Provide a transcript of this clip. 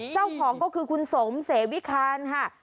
เจ้าของก็คือคุณสมเสวิคารค่ะ